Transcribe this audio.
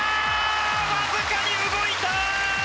わずかに動いた！